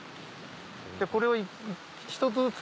これを１つずつ。